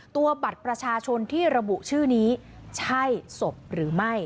ตัวบัตรประชาชนที่ระบุชื่อนี้ใช่ศพหรือไม่